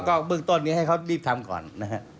ก็เบื้องต้นนี้ให้เขารีบทำก่อนนะฮะ